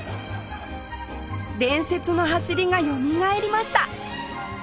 伝説の走りがよみがえりました